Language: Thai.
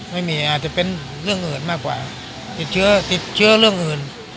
ไม่มีอาจจะเป็นเรื่องอื่นมากกว่าติดเชื้อติดเชื้อเรื่องอื่น